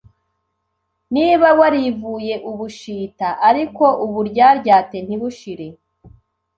Niba warivuye ubushita ariko uburyaryate ntibushire